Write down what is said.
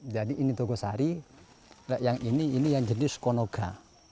jadi ini togosari yang ini ini yang jenis konoga